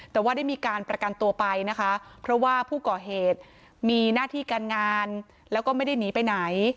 แต่ว่าได้มีการประกันตัวไปนะคะเพราะว่าผู้ก่อเหตุมีหน้าที่การงานแล้วก็ไม่ได้หนีไปไหน